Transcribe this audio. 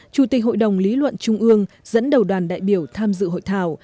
chủ tịch hội đồng lý luận trung ương dẫn đầu đoàn đại biểu tham dự hội thảo